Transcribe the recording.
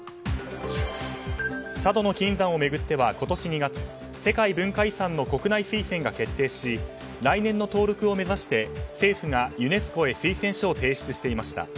佐渡島の金山を巡っては今年２月、世界文化遺産の国内推薦が決定し来年の登録を目指して政府がユネスコへ推薦書を提出していました。